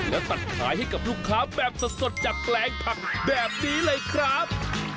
แล้วตัดขายให้กับลูกค้าแบบสดจากแปลงผักแบบนี้เลยครับ